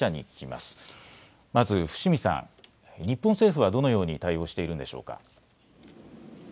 まず伏見さん、日本政府はどのように対応しているんでしょうか。